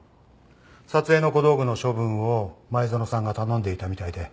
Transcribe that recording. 撮影の小道具の処分を前園さんが頼んでいたみたいで。